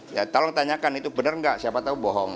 ya tolong tanyakan itu benar nggak siapa tahu bohong